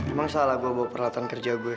emang salah gue bawa peralatan kerja gue